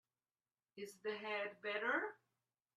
Is the head better?